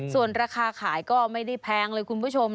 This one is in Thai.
ส่วนราคาขายก็ไม่ได้แพงเลยคุณผู้ชม